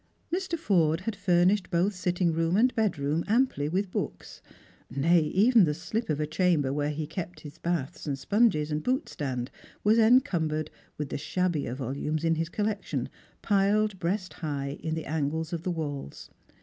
Mr. Forde had furnished both sitting room and bedroom "amply with books, nay even the slip of a chamber where he kept his baths and sponges and bootstand was encumbered with the shabbier volumes in his collection, 'piled breast high in the angles of the walls.